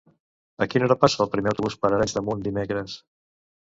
A quina hora passa el primer autobús per Arenys de Munt dimecres?